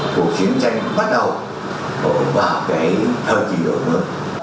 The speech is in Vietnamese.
cuộc chiến tranh bắt đầu vào cái thời kỳ đổi mơ